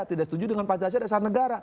tidak setuju dengan pancasila dasar negara